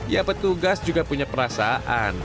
ya petugas juga punya perasaan